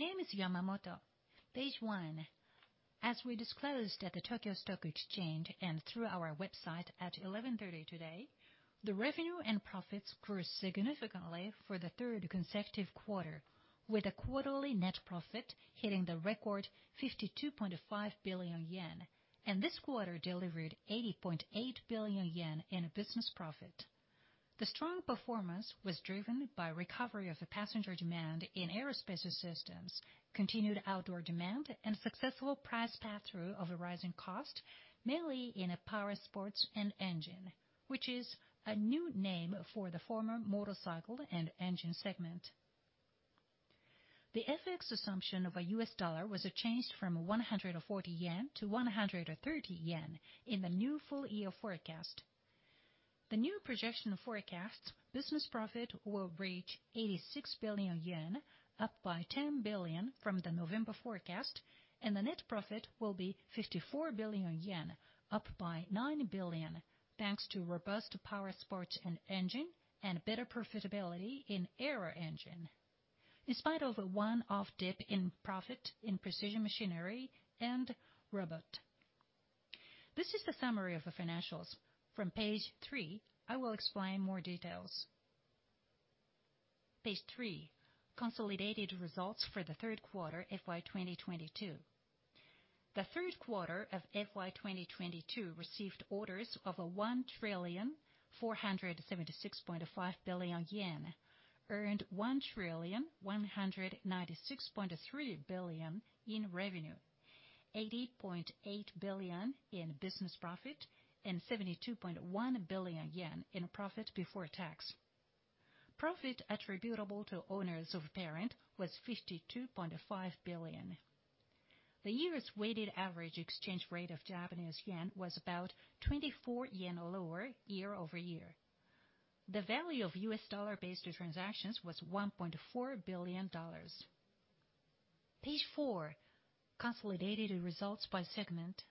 My name is Yamamoto. Page one. As we disclosed at the Tokyo Stock Exchange and through our website at 11:30 today, the revenue and profits grew significantly for the third consecutive quarter, with a quarterly net profit hitting the record 52.5 billion yen. This quarter delivered 80.8 billion yen in business profit. The strong performance was driven by recovery of the passenger demand in Aerospace Systems, continued outdoor demand and successful price pass-through of rising cost, mainly in Powersports & Engine, which is a new name for the former motorcycle and engine segment. The FX assumption of a U.S. dollar was changed from 140 yen to 130 yen in the new full year forecast. The new projection forecasts business profit will reach 86 billion yen, up by 10 billion from the November forecast, and the net profit will be 54 billion yen, up by 9 billion, thanks to robust Powersports & Engine and better profitability in aero engine. In spite of a one-off dip in profit in Precision Machinery & Robot. This is the summary of the financials. From page three, I will explain more details. Page three, consolidated results for the third quarter, FY 2022. The third quarter of FY 2022 received orders of 1,476.5 billion yen, earned 1,196.3 billion in revenue, 80.8 billion in business profit, and 72.1 billion yen in profit before tax. Profit attributable to owners of parent was 52.5 billion. The year's weighted average exchange rate of Japanese yen was about 24 yen lower year-over-year. The value of U.S. dollar-based transactions was $1.4 billion. Page four, consolidated results by segment.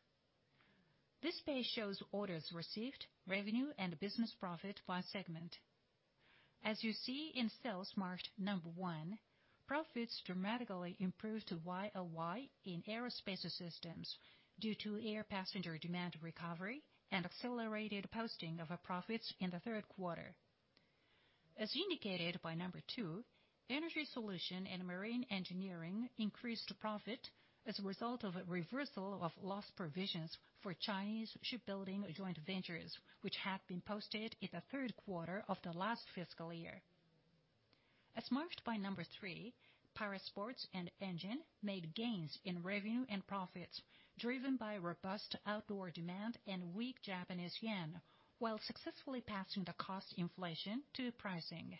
This page shows orders received, revenue and business profit by segment. As you see in cells marked number one, profits dramatically improved YoY in Aerospace Systems due to air passenger demand recovery and accelerated posting of our profits in the 3rd quarter. As indicated by number two, Energy Solution & Marine Engineering increased profit as a result of a reversal of loss provisions for Chinese shipbuilding joint ventures, which had been posted in the 3rd quarter of the last fiscal year. As marked by number three, Powersports & Engine made gains in revenue and profits driven by robust outdoor demand and weak Japanese yen, while successfully passing the cost inflation to pricing.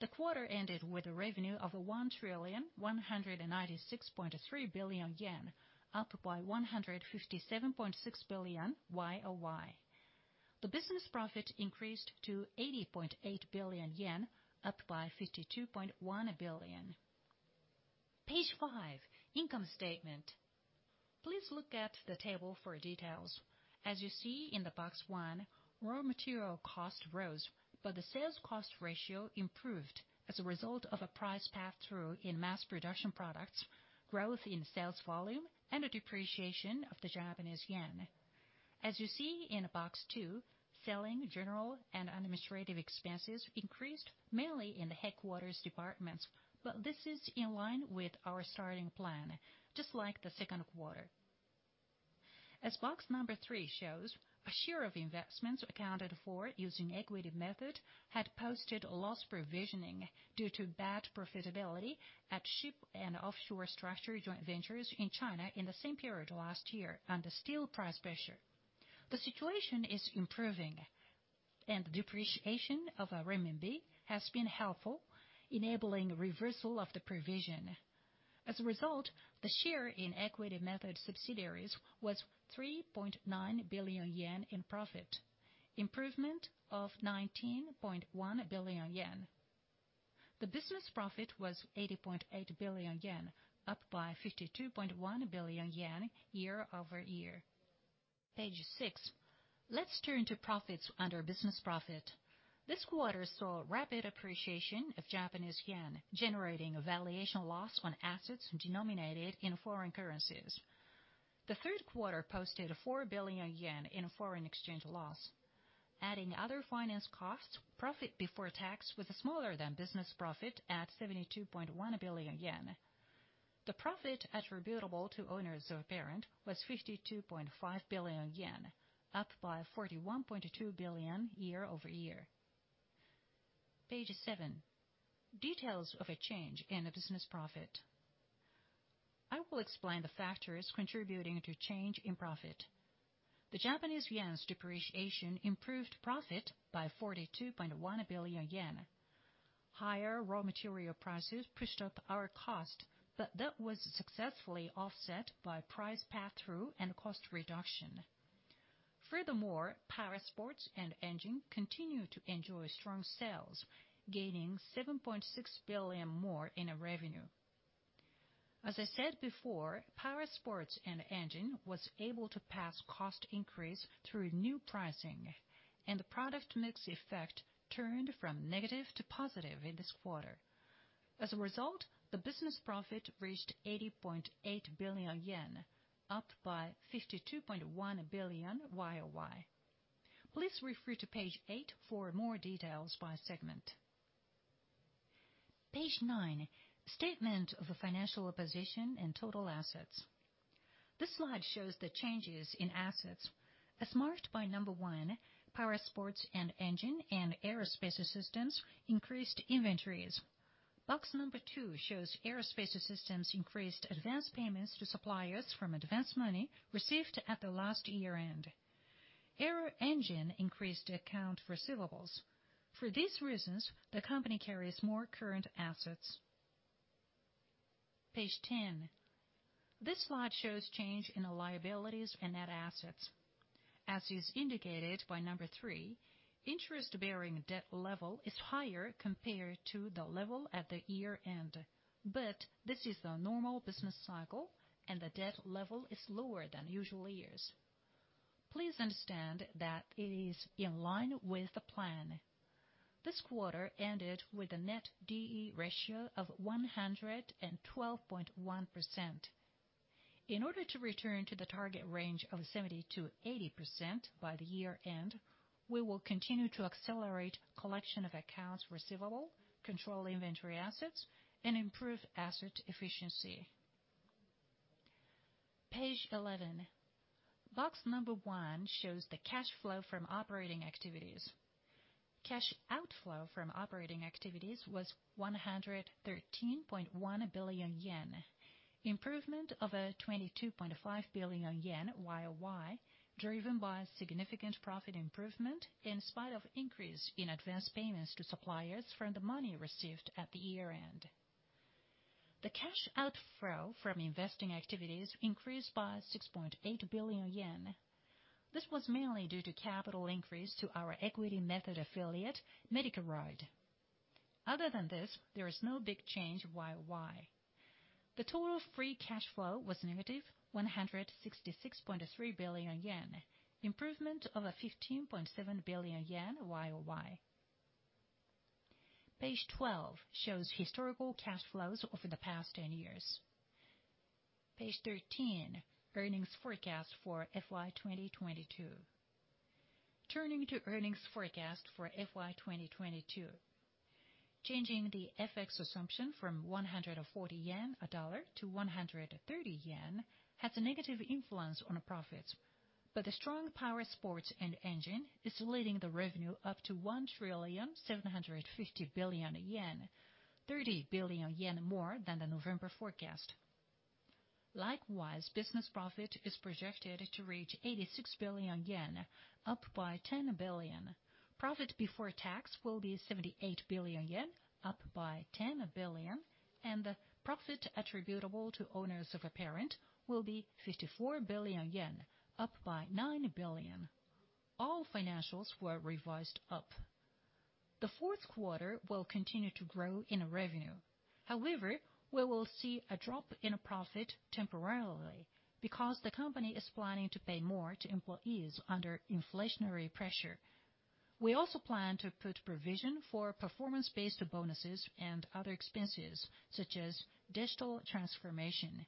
The quarter ended with a revenue of 1,196.3 billion yen, up by 157.6 billion YoY. The business profit increased to 80.8 billion yen, up by 52.1 billion. Page five, income statement. Please look at the table for details. As you see in Box one, raw material cost rose, but the sales cost ratio improved as a result of a price pass-through in mass production products, growth in sales volume and a depreciation of the Japanese yen. As you see in Box two, selling, general and administrative expenses increased mainly in the headquarters departments. This is in line with our starting plan, just like the second quarter. As box number three shows, a share of investments accounted for using equity method had posted loss provisioning due to bad profitability at ship and offshore structure joint ventures in China in the same period last year and the steel price pressure. The situation is improving, depreciation of our renminbi has been helpful, enabling reversal of the provision. The share in equity method subsidiaries was 3.9 billion yen in profit, improvement of 19.1 billion yen. The business profit was 80.8 billion yen, up by 52.1 billion yen year-over-year. Page six, let's turn to profits under business profit. This quarter saw rapid appreciation of Japanese yen, generating a valuation loss on assets denominated in foreign currencies. The third quarter posted a 4 billion yen in foreign exchange loss. Adding other finance costs, profit before tax was smaller than business profit at 72.1 billion yen. The profit attributable to owners of parent was 52.5 billion yen, up by 41.2 billion year-over-year. Page seven, details of a change in a business profit. I will explain the factors contributing to change in profit. The Japanese yen's depreciation improved profit by 42.1 billion yen. Higher raw material prices pushed up our cost, but that was successfully offset by price pass-through and cost reduction. Furthermore, Powersports & Engine continued to enjoy strong sales, gaining 7.6 billion more in revenue. As I said before, Powersports & Engine was able to pass cost increase through new pricing, and the product mix effect turned from negative to positive in this quarter. As a result, the business profit reached 80.8 billion yen, up by 52.1 billion YoY. Please refer to page eight for more details by segment. Page nine, statement of financial position and total assets. This slide shows the changes in assets. As marked by number one, Powersports & Engine and Aerospace Systems increased inventories. Box number two shows Aerospace Systems increased advanced payments to suppliers from advanced money received at the last year-end. Aero engine increased account receivables. For these reasons, the company carries more current assets. Page 10. This slide shows change in the liabilities and net assets. As is indicated by number three, interest-bearing debt level is higher compared to the level at the year-end, but this is a normal business cycle and the debt level is lower than usual years. Please understand that it is in line with the plan. This quarter ended with a net D/E ratio of 112.1%. In order to return to the target range of 70%-80% by the year-end, we will continue to accelerate collection of accounts receivable, control inventory assets, and improve asset efficiency. Page 11. Box number 1 shows the cash flow from operating activities. Cash outflow from operating activities was 113.1 billion yen, improvement of a 22.5 billion yen YoY, driven by significant profit improvement in spite of increase in advanced payments to suppliers from the money received at the year-end. The cash outflow from investing activities increased by 6.8 billion yen. This was mainly due to capital increase to our equity method affiliate, Medicaroid. Other than this, there is no big change YoY. The total free cash flow was negative 166.3 billion yen, improvement of a 15.7 billion yen YoY. Page 12 shows historical cash flows over the past 10 years. Page 13, earnings forecast for FY 2022. Turning to earnings forecast for FY 2022. Changing the FX assumption from 140 yen a dollar to 130 yen has a negative influence on profits. The strong Powersports & Engine is leading the revenue up to 1,750 billion yen, 30 billion yen more than the November forecast. Likewise, business profit is projected to reach 86 billion yen, up by 10 billion. Profit before tax will be 78 billion yen, up by 10 billion, and the profit attributable to owners of a parent will be 54 billion yen, up by 9 billion. All financials were revised up. The fourth quarter will continue to grow in revenue. We will see a drop in profit temporarily because the company is planning to pay more to employees under inflationary pressure. We also plan to put provision for performance-based bonuses and other expenses, such as digital transformation.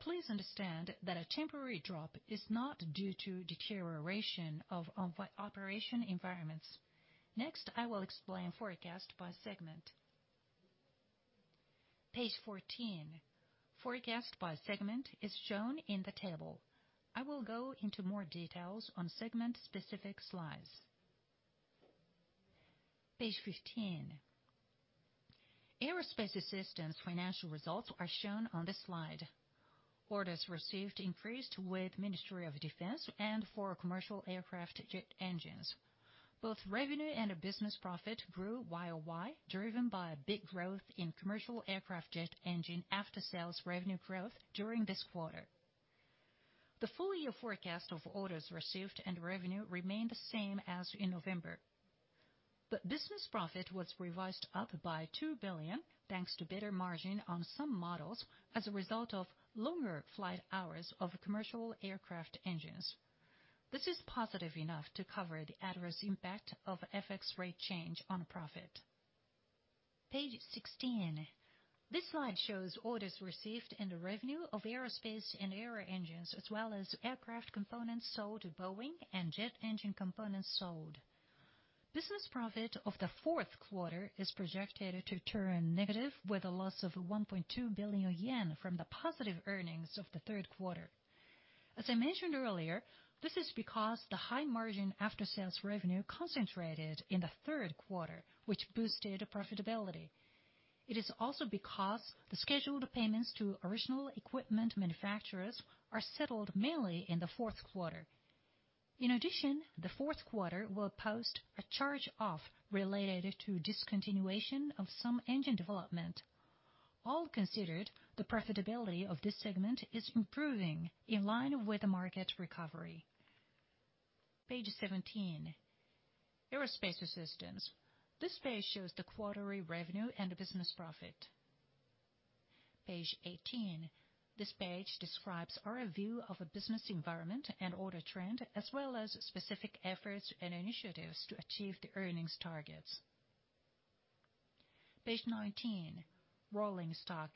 Please understand that a temporary drop is not due to deterioration of operation environments. I will explain forecast by segment. Page 14, forecast by segment is shown in the table. I will go into more details on segment specific slides. Page 15. Aerospace Systems' financial results are shown on this slide. Orders received increased with Ministry of Defense and for commercial aircraft jet engines. Both revenue and business profit grew YoY, driven by a big growth in commercial aircraft jet engine after sales revenue growth during this quarter. The full year forecast of orders received and revenue remained the same as in November. Business profit was revised up by 2 billion, thanks to better margin on some models as a result of longer flight hours of commercial aircraft engines. This is positive enough to cover the adverse impact of FX rate change on profit. Page 16, this slide shows orders received and the revenue of Aerospace Systems and aero engines, as well as aircraft components sold to Boeing and jet engine components sold. Business profit of the fourth quarter is projected to turn negative with a loss of 1.2 billion yen from the positive earnings of the third quarter. As I mentioned earlier, this is because the high margin after sales revenue concentrated in the third quarter, which boosted profitability. It is also because the scheduled payments to original equipment manufacturers are settled mainly in the fourth quarter. In addition, the fourth quarter will post a charge-off related to discontinuation of some engine development. All considered, the profitability of this segment is improving in line with the market recovery. Page 17. Aerospace Systems. This page shows the quarterly revenue and business profit. Page 18. This page describes our view of a business environment and order trend, as well as specific efforts and initiatives to achieve the earnings targets. Page 19. Rolling Stock.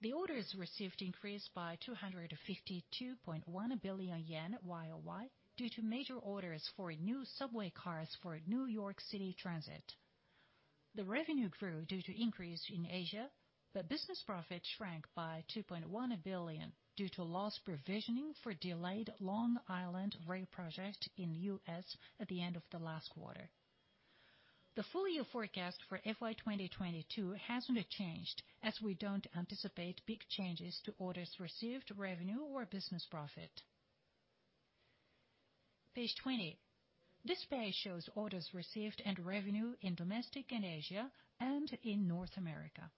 The orders received increased by 252.1 billion yen YoY due to major orders for new subway cars for New York City Transit. The revenue grew due to increase in Asia, but business profit shrank by 2.1 billion due to loss provisioning for delayed Long Island Rail Road project in the U.S. at the end of the last quarter. The full year forecast for FY 2022 hasn't changed as we don't anticipate big changes to orders received, revenue or business profit. Page 20. This page shows orders received and revenue in domestic and Asia and in North America.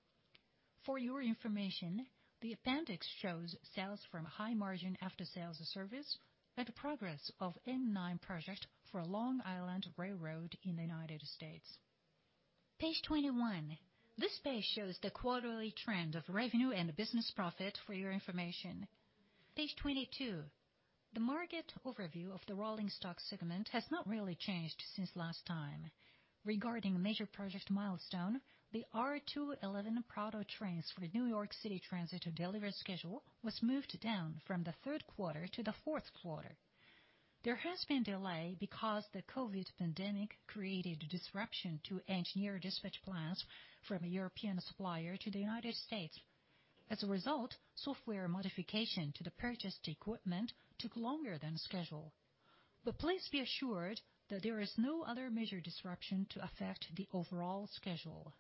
For your information, the appendix shows sales from high margin after-sales service and progress of M9 project for Long Island Rail Road in the United States. Page 21. This page shows the quarterly trend of revenue and business profit for your information. Page 22. The market overview of the Rolling Stock segment has not really changed since last time. Regarding major project milestone, the R211 proto trains for New York City Transit delivery schedule was moved down from the third quarter to the fourth quarter. There has been delay because the COVID pandemic created disruption to engineer dispatch plans from a European supplier to the United States. As a result, software modification to the purchased equipment took longer than scheduled. Please be assured that there is no other major disruption to affect the overall schedule.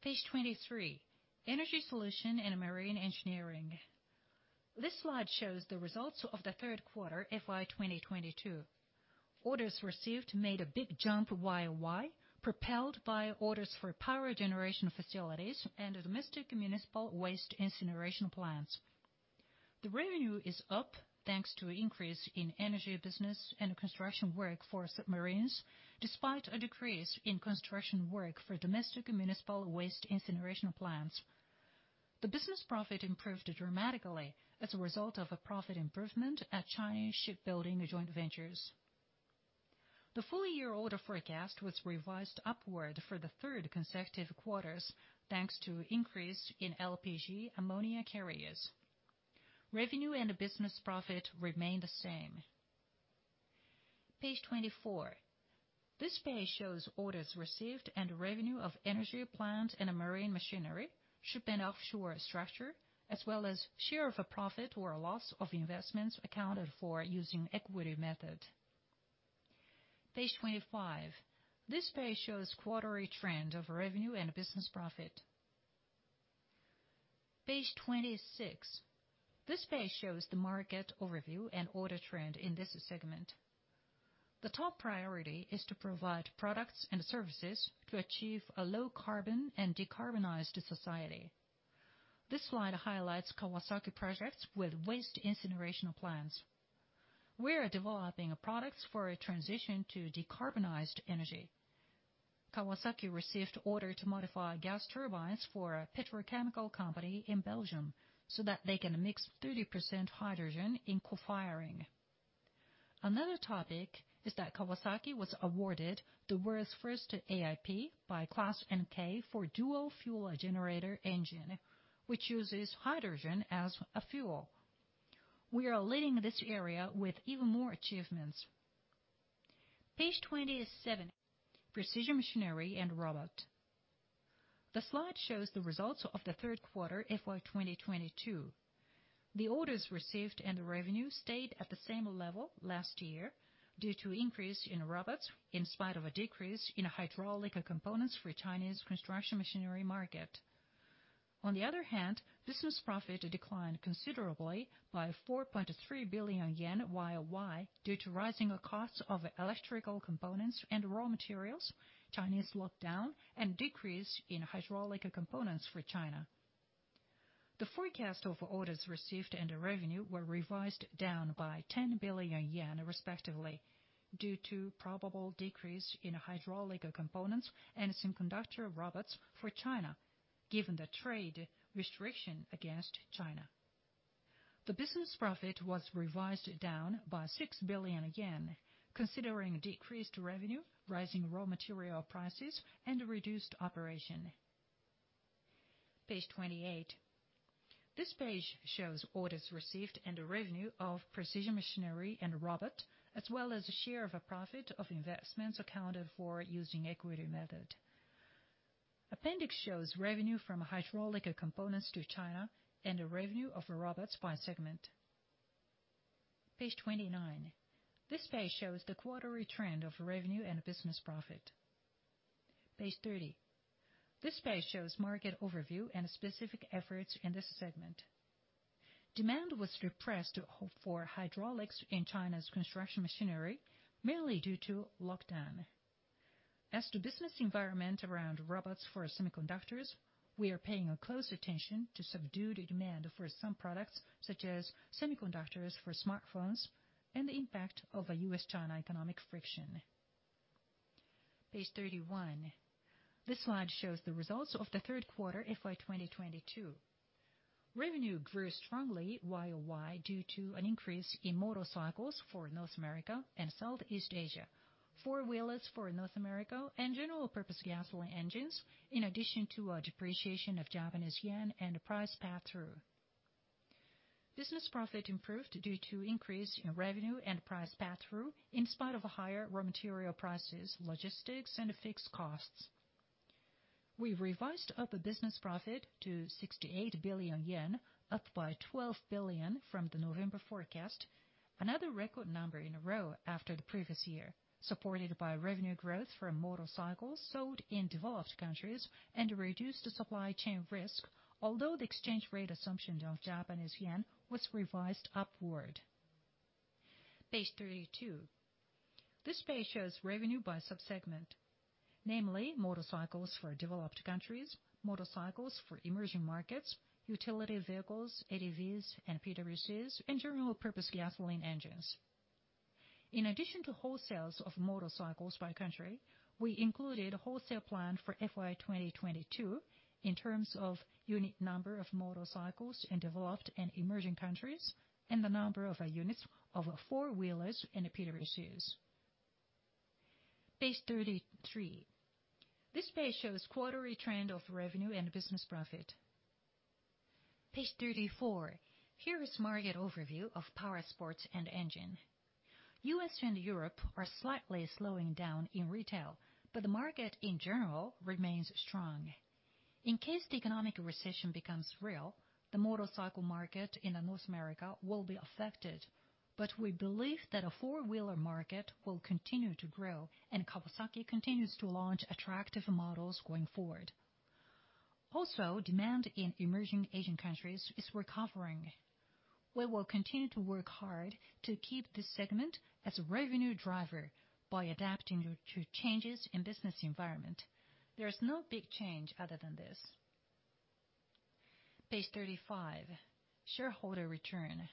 Page 23. Energy Solution & Marine Engineering. This slide shows the results of the third quarter FY 2022. Orders received made a big jump YoY, propelled by orders for power generation facilities and domestic municipal waste incineration plants. The revenue is up thanks to increase in energy business and construction work for submarines, despite a decrease in construction work for domestic municipal waste incineration plants. The business profit improved dramatically as a result of a profit improvement at Chinese shipbuilding joint ventures. The full year order forecast was revised upward for the third consecutive quarters, thanks to increase in LPG/ammonia carriers. Revenue and business profit remain the same. Page 24. This page shows orders received and revenue of energy plant and marine machinery, ship and offshore structure, as well as share of a profit or loss of investments accounted for using equity method. Page 25. This page shows quarterly trend of revenue and business profit. Page 26. This page shows the market overview and order trend in this segment. The top priority is to provide products and services to achieve a low carbon and decarbonized society. This slide highlights Kawasaki projects with waste incineration plants. We are developing products for a transition to decarbonized energy. Kawasaki received order to modify gas turbines for a petrochemical company in Belgium so that they can mix 30% hydrogen in co-firing. Another topic is that Kawasaki was awarded the world's first AiP by ClassNK for dual fuel generator engine, which uses hydrogen as a fuel. We are leading this area with even more achievements. Page 27. Precision Machinery & Robot. The slide shows the results of the third quarter FY 2022. The orders received and the revenue stayed at the same level last year due to increase in robots in spite of a decrease in hydraulic components for Chinese construction machinery market. On the other hand, business profit declined considerably by 4.3 billion yen YoY due to rising costs of electrical components and raw materials, Chinese lockdown, and decrease in hydraulic components for China. The forecast of orders received and the revenue were revised down by 10 billion yen respectively due to probable decrease in hydraulic components and semiconductor robots for China, given the trade restriction against China. The business profit was revised down by 6 billion yen, considering decreased revenue, rising raw material prices, and reduced operation. Page 28. This page shows orders received and the revenue of Precision Machinery & Robot, as well as the share of a profit of investments accounted for using equity method. Appendix shows revenue from hydraulic components to China and the revenue of robots by segment. Page 29. This page shows the quarterly trend of revenue and business profit. Page 30. This page shows market overview and specific efforts in this segment. Demand was suppressed for hydraulics in China's construction machinery, mainly due to lockdown. As to business environment around robots for semiconductors, we are paying a close attention to subdued demand for some products, such as semiconductors for smartphones and the impact of a U.S.-China economic friction. Page 31. This slide shows the results of the third quarter FY 2022. Revenue grew strongly YoY due to an increase in motorcycles for North America and Southeast Asia, four-wheelers for North America and general purpose gasoline engines, in addition to a depreciation of Japanese yen and a price pass-through. Business profit improved due to increase in revenue and price pass-through in spite of higher raw material prices, logistics, and fixed costs. We revised up a business profit to 68 billion yen, up by 12 billion from the November forecast. Another record number in a row after the previous year, supported by revenue growth from motorcycles sold in developed countries and reduced supply chain risk, although the exchange rate assumption of Japanese yen was revised upward. Page 32. This page shows revenue by sub-segment, namely motorcycles for developed countries, motorcycles for emerging markets, utility vehicles, ADVs and PWC, and general purpose gasoline engines. In addition to wholesales of motorcycles by country, we included wholesale plan for FY 2022 in terms of unit number of motorcycles in developed and emerging countries and the number of units of four-wheelers and PWCs. Page 33. This page shows quarterly trend of revenue and business profit. Page 34. Here is market overview of Powersports & Engine. U.S. and Europe are slightly slowing down in retail, but the market in general remains strong. In case the economic recession becomes real, the motorcycle market in North America will be affected. We believe that a four-wheeler market will continue to grow, and Kawasaki continues to launch attractive models going forward. Demand in emerging Asian countries is recovering. We will continue to work hard to keep this segment as a revenue driver by adapting to changes in business environment. There is no big change other than this. Page 35, shareholder return.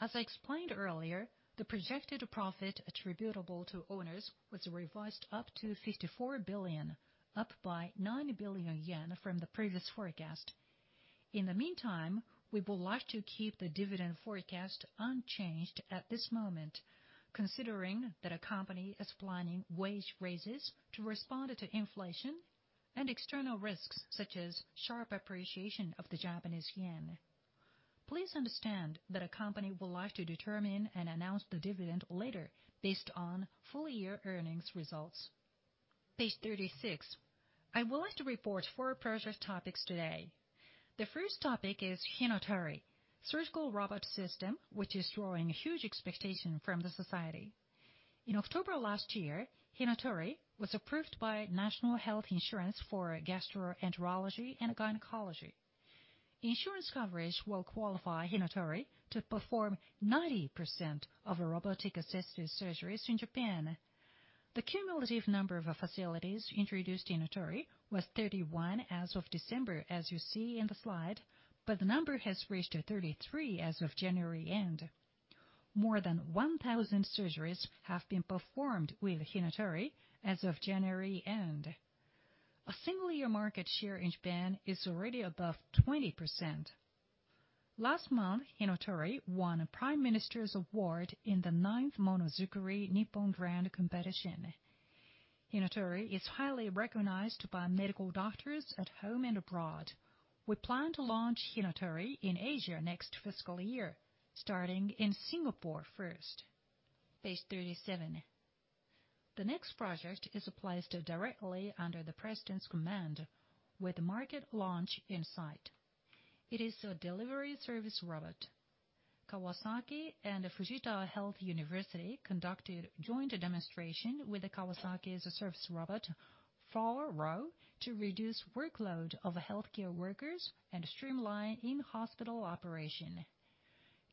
As I explained earlier, the projected profit attributable to owners was revised up to 54 billion, up by 9 billion yen from the previous forecast. In the meantime, we would like to keep the dividend forecast unchanged at this moment, considering that our company is planning wage raises to respond to inflation and external risks such as sharp appreciation of the Japanese yen. Please understand that our company would like to determine and announce the dividend later based on full year earnings results. Page 36. I would like to report four project topics today. The first topic is Hinotori surgical robot system, which is drawing huge expectation from the society. In October last year, Hinotori was approved by National Health Insurance for gastroenterology and gynecology. Insurance coverage will qualify Hinotori to perform 90% of robotic assisted surgeries in Japan. The cumulative number of facilities introduced Hinotori was 31 as of December, as you see in the slide, but the number has reached 33 as of January end. More than 1,000 surgeries have been performed with Hinotori as of January end. A single year market share in Japan is already above 20%. Last month, Hinotori won a Prime Minister's award in the ninth Monodzukuri Nippon Grand Competition. Hinotori is highly recognized by medical doctors at home and abroad. We plan to launch Hinotori in Asia next fiscal year, starting in Singapore first. Page 37. The next project is placed directly under the president's command with market launch in sight. It is a delivery service robot. Kawasaki and Fujita Health University conducted joint demonstration with Kawasaki's service robot, FORRO, to reduce workload of healthcare workers and streamline in-hospital operation.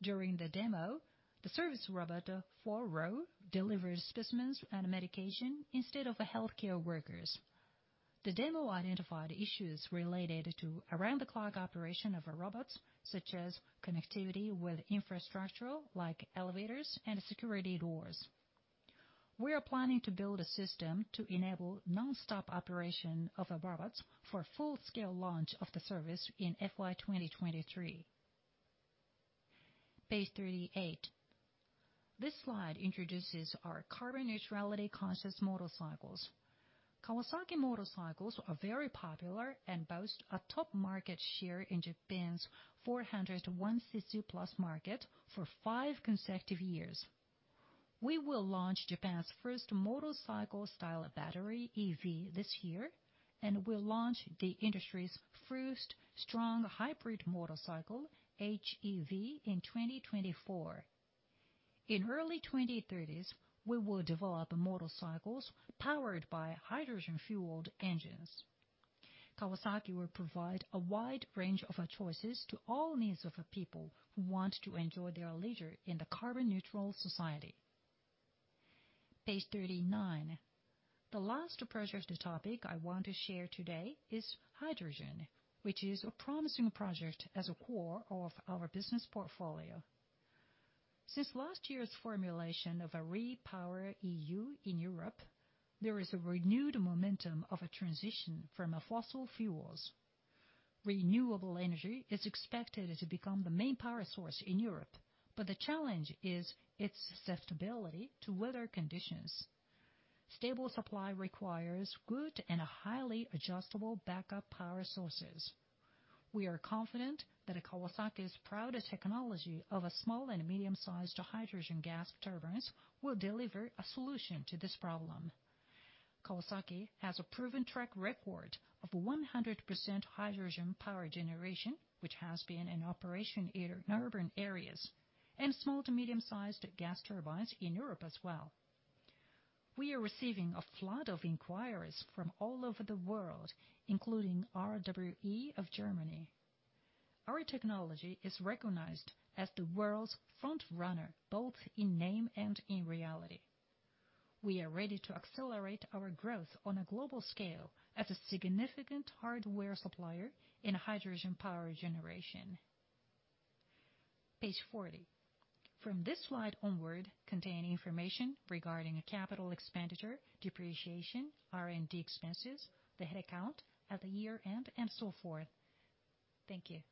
During the demo, the service robot, FORRO, delivered specimens and medication instead of the healthcare workers. The demo identified issues related to around-the-clock operation of a robot, such as connectivity with infrastructure like elevators and security doors. We are planning to build a system to enable nonstop operation of a robot for full-scale launch of the service in FY 2023. Page 38. This slide introduces our carbon neutrality conscious motorcycles. Kawasaki motorcycles are very popular and boast a top market share in Japan's 401 CC plus market for five consecutive years. We will launch Japan's first motorcycle style battery EV this year, and we'll launch the industry's first strong hybrid motorcycle, HEV, in 2024. In early 2030s, we will develop motorcycles powered by hydrogen fueled engines. Kawasaki will provide a wide range of choices to all needs of people who want to enjoy their leisure in the carbon neutral society. Page 39. The last project topic I want to share today is hydrogen, which is a promising project as a core of our business portfolio. Since last year's formulation of RePowerEU in Europe, there is a renewed momentum of transition from fossil fuels. Renewable energy is expected to become the main power source in Europe, but the challenge is its susceptibility to weather conditions. Stable supply requires good and highly adjustable backup power sources. We are confident that Kawasaki's proudest technology of a small and medium-sized hydrogen gas turbines will deliver a solution to this problem. Kawasaki has a proven track record of 100% hydrogen power generation, which has been in operation in urban areas and small to medium-sized gas turbines in Europe as well. We are receiving a flood of inquiries from all over the world, including RWE of Germany. Our technology is recognized as the world's frontrunner, both in name and in reality. We are ready to accelerate our growth on a global scale as a significant hardware supplier in hydrogen power generation. Page 40. From this slide onward contain information regarding a capital expenditure, depreciation, R&D expenses, the head count at the year-end, and so forth. Thank you.